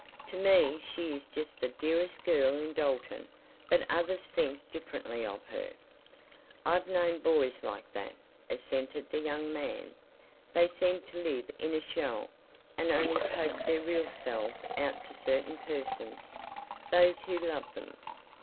"To me she is just the dearest girl in Dalton, but others think differently of her." "I've known boys like that," assented the young man. "They seem to live in a shell, and only poke their real selves out to certain persons, those who love them."